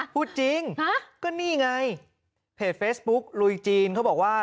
พูดจริงก็นี่ไงเพจเฟซบุ๊กลุยจีนเขาบอกว่า